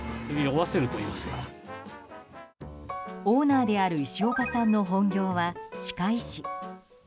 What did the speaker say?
オーナーである石岡さんの本業は歯科医師。